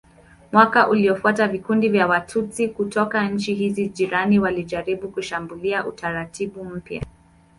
Mwaka uliofuata vikundi vya Watutsi kutoka nchi hizi za jirani walijaribu kushambulia utaratibu mpya.